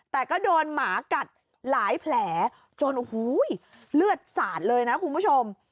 แต่ก็โดนหมากัดหลายแผลจนโอ้โหเลือดสาดเลยนะคุณผู้ชม